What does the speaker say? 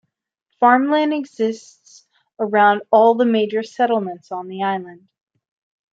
Farmland exists around all the major settlements on the island.